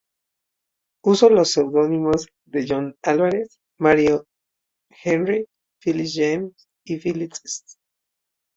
Usó los pseudónimos de John Alvarez, Marion Henry, Philip James, Philip St.